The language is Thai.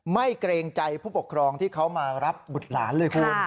เกรงใจผู้ปกครองที่เขามารับบุตรหลานเลยคุณ